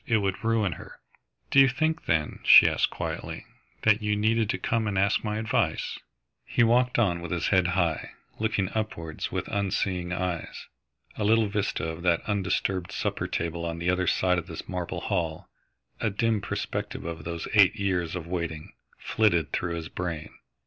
It would ruin her." "Do you think, then," she asked quietly, "that you needed to come and ask my advice?" He walked on with his head high, looking upwards with unseeing eyes. A little vista of that undisturbed supper table on the other side of the marble hall, a dim perspective of those eight years of waiting, flitted through his brain.